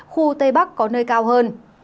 khu tây bắc có nơi cao hơn